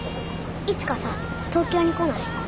いつかさ東京に来ない？